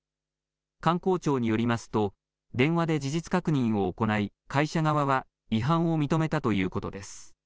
観光庁によりますと電話で事実確認を行い会社側は違反を認めたということです。